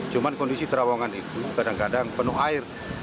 cuma kondisi terowongan itu kadang kadang penuh air